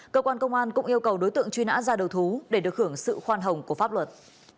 cơ quan công an cũng yêu cầu đối tượng truy nã ra đầu thú để được hưởng sự khoan hồng của pháp luật